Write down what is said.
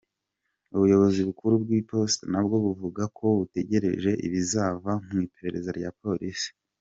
Ubuyobozi bukuru bw’iposita nabwo buvuga ko butegereje ibizava mu iperereza rya polisi.